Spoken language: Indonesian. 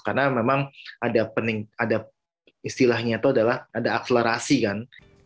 karena memang ada istilahnya itu adalah ada akselerasi kan